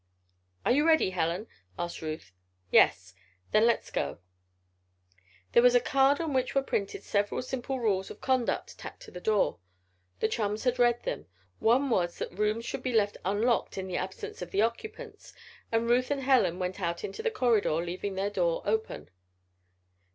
"Are you ready, Helen?" asked Ruth. "Yes." "Then let us go." There was a card on which were printed several simple rules of conduct tacked to the door. The chums had read them. One was that rooms should be left unlocked in the absence of the occupants, and Ruth and Helen went out into the corridor, leaving their door open.